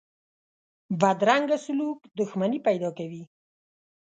بدرنګه سلوک دښمني پیدا کوي